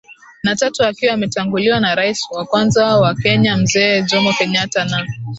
na tatu akiwa ametanguliwa na Rais wa Kwanza wa KenyaMzee Jomo Kenyatta na